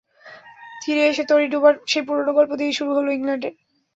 তীরে এসে তরি ডোবার সেই পুরোনো গল্প দিয়েই শুরু হলো ইংল্যান্ডের।